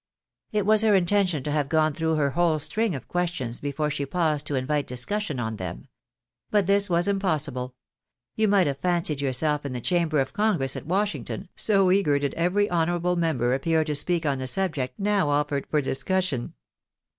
" It was her intention to have gone through her whole string of questions before she paused to invite discussion on them. But this was impossible. You might have fancied yourself in the chamber of congress at Washington, so eager did every honourable member appear to speak on the subject now offered for discussion.